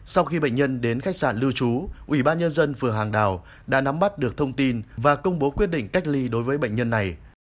sau khi bệnh nhân đến khách sạn lưu trú ủy ban nhân dân phường hàng đào đã nắm bắt được thông tin và công bố quyết định cách ly đối với bệnh nhân này